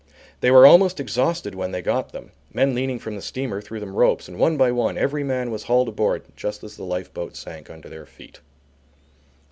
They were almost exhausted when they got them; men leaning from the steamer threw them ropes and one by one every man was hauled aboard just as the lifeboat sank under their feet.